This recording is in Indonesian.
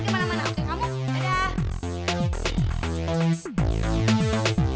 kamu sih kenapa gak bilang sama aku dari tadi